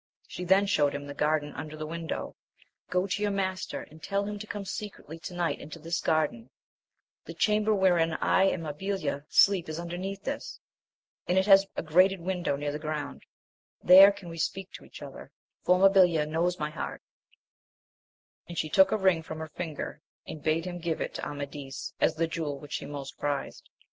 She then showed him the garden under the window ;— go to your master, and tell him to come secretly to night into this garden ; the chamber wherein I and Mabilia sleep is underneath this, and it has a grated window near the ground, there can we speak to each other, for Mabilia knows my heart ; and she took a ring from her finger, and bade him give it to Amadis, as the jewel which she most prized.